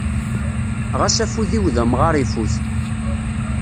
Ɣas afud-iw d amɣar ifut.